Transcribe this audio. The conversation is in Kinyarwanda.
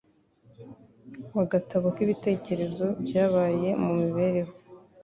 mu gatabo k'ibitekerezo by'ibyabaye mu mibereho